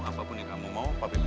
apapun yang kamu mau papi beli